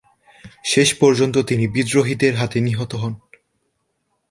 শেষ পর্যন্ত তিনি বিদ্রোহীদের হাতে নিহত হন।